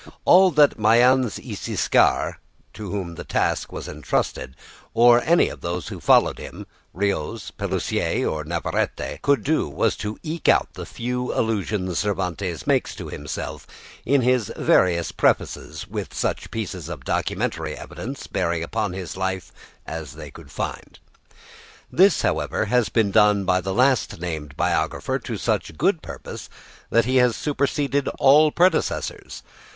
All that Mayans y Siscar, to whom the task was entrusted, or any of those who followed him, Rios, Pellicer, or Navarrete, could do was to eke out the few allusions Cervantes makes to himself in his various prefaces with such pieces of documentary evidence bearing upon his life as they could find. This, however, has been done by the last named biographer to such good purpose that he has superseded all predecessors.